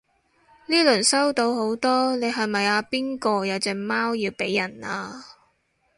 呢輪收到好多你係咪阿邊個有隻貓要俾人啊？